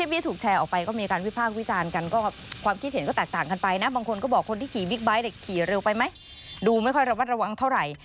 ดูไปไหมดูไม่ค่อยระวังเท่าไหร่